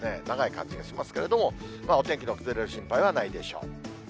長い感じがしますけれども、お天気の崩れる心配はないでしょう。